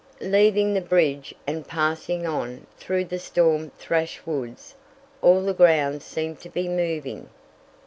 Leaving the bridge and passing on through the storm thrashed woods, all the ground seemed to be moving.